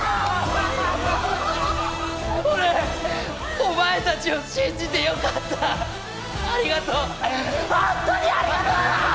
俺お前達を信じてよかったありがとうホントにありがとう！